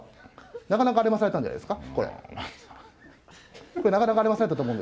なかなかアレまされたんじゃないですか？